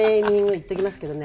言っときますけどね